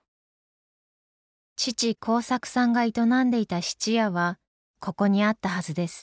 父孝作さんが営んでいた質屋はここにあったはずです。